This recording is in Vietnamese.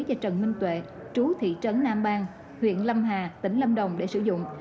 cho trần minh tuệ chú thị trấn nam bang huyện lâm hà tỉnh lâm đồng để sử dụng